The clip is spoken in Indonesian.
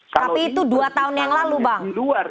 tapi itu dua tahun yang lalu bang